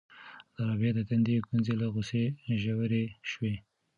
د رابعې د تندي ګونځې له غوسې ژورې شوې.